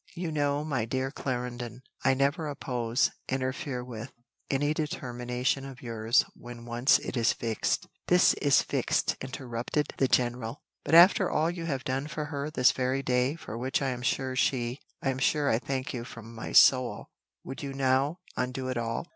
"You know, my dear Clarendon, I never oppose interfere with any determination of yours when once it is fixed " "This is fixed," interrupted the general. "But after all you have done for her this very day, for which I am sure she I am sure I thank you from my soul, would you now undo it all?"